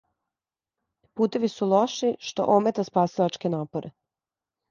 Путеви су лоши, што омета спасилачке напоре.